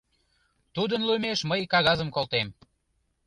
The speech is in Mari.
Тудын лӱмеш мый кагазым колтем.